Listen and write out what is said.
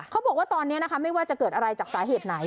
เขาบอกว่าตอนนี้นะคะไม่ว่าจะเกิดอะไรจากสาเหตุไหน